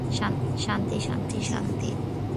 শান্তি, শান্তি, শান্তি।